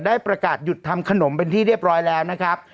ได้ประกาศหยุดทำขนมเป็นที่เรียบร้อยแล้วนะครับ